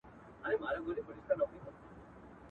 زما او ستا تر منځ یو نوم د شراکت دئ.